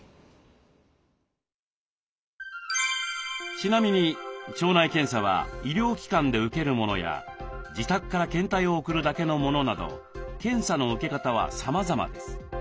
ちなみに腸内検査は医療機関で受けるものや自宅から検体を送るだけのものなど検査の受け方はさまざまです。